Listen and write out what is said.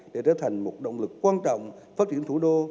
để trở thành một động lực quan trọng phát triển thủ đô